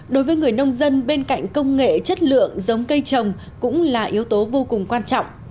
đối với người nông dân bên cạnh công nghệ chất lượng giống cây trồng cũng là yếu tố vô cùng quan trọng